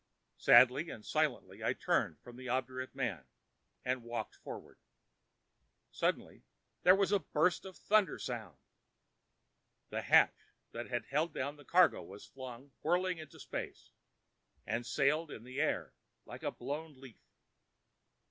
Sadly and silently I turned from that obdurate man and walked forward. Suddenly "there was a burst of thunder sound!" The hatch that had held down the cargo was flung whirling into space and sailed in the air like a blown leaf.